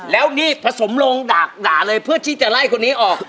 แล้วนี่ผสมลงด่าเลยเพื่อที่จะไล่คนนี้ออก